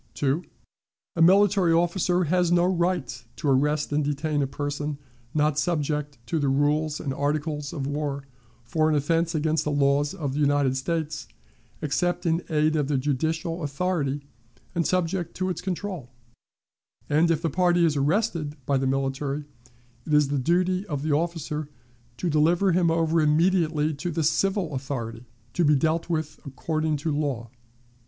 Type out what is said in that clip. "2. A military officer has no right to arrest and detain a person not subject to the rules and articles of war for an offense against the laws of the United States, except in aid of the judicial authority and subject to its control; and, if the party is arrested by the military, it is the duty of the officer to deliver him over immediately to the civil authority, to be dealt with according to law.